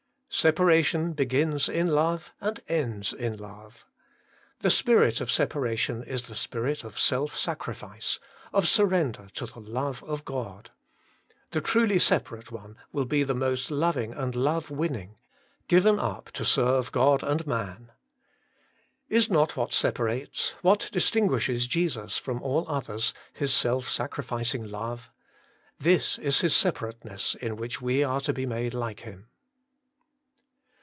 5. Separation begins in love, and ends in love. The spirit of separation is the spirit of self sacrifice, of surrender to the love of God ; the truly separate one will be the most loving and love winning, given up to serve God and man. Is not what separates, what distinguishes Jesus from all others, His self sacrificing love ? This is His separateness, in which we are to be made like Him.